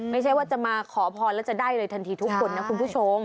ไม่ใช่ว่าจะมาขอพรแล้วจะได้เลยทันทีทุกคนนะคุณผู้ชม